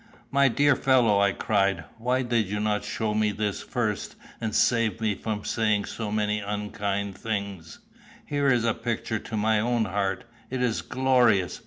"My dear fellow," I cried, "why did you not show me this first, and save me from saying so many unkind things? Here is a picture to my own heart; it is glorious.